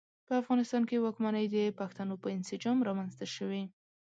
په افغانستان کې واکمنۍ د پښتنو په انسجام رامنځته شوې.